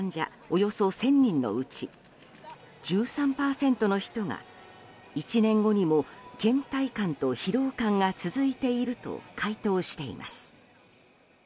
およそ１０００人のうち１３％の人が１年後にも倦怠感と疲労感が続いていると回答しています。